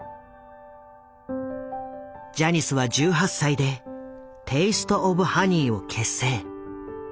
ジャニスは１８歳でテイスト・オブ・ハニーを結成。